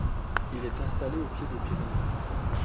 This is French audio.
Il est installé au pied des Pyrénées.